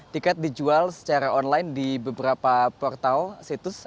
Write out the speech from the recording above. tiket dijual secara online di beberapa portal situs